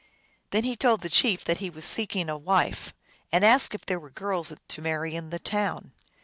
Then he told the chief that he was seeking a wife, and asked if there were girls to marry in the town.